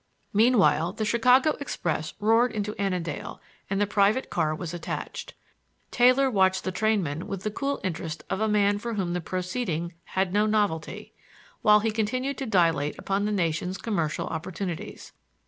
Meanwhile the Chicago express roared into Annandale and the private car was attached. Taylor watched the trainmen with the cool interest of a man for whom the proceeding had no novelty, while he continued to dilate upon the nation's commercial opportunities.